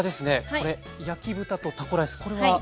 これ焼き豚とタコライスこれは？